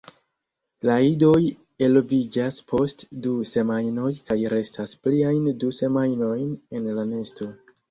La idoj eloviĝas post du semajnoj kaj restas pliajn du semajnojn en la nesto.